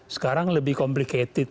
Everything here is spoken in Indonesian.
sekarang lebih komplikasi